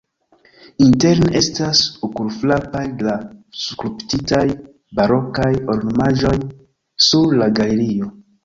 Interne estas okulfrapaj la skulptitaj barokaj ornamaĵoj sur la galerio.